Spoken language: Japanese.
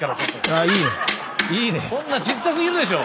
「こんなんちっちゃ過ぎるでしょ」